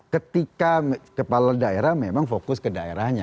ketika kepala daerah memang fokus ke daerahnya